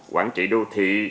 quản trị đô thị